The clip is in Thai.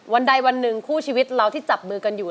วันใดวันหนึ่งคู่ชีวิตเราที่จับมือกันอยู่